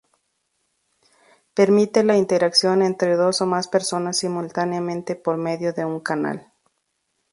Permite la interacción entre dos o más personas simultáneamente por medio de un canal.